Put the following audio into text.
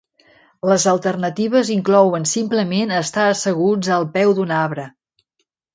Les alternatives inclouen simplement estar asseguts al peu d'un arbre.